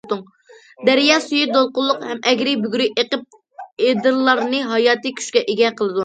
دەريا سۈيى دولقۇنلۇق ھەم ئەگرى- بۈگرى ئېقىپ، ئېدىرلارنى ھاياتىي كۈچكە ئىگە قىلىدۇ.